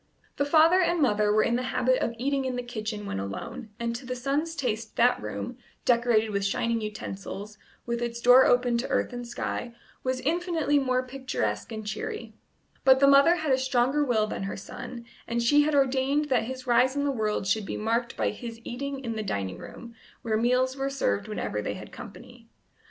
The father and mother were in the habit of eating in the kitchen when alone, and to the son's taste that room, decorated with shining utensils, with its door open to earth and sky, was infinitely more picturesque and cheery; but the mother had a stronger will than her son, and she had ordained that his rise in the world should be marked by his eating in the dining room, where meals were served whenever they had company.